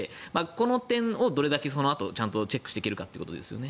この点をどれだけそのあとちゃんとチェックしてけるかということですよね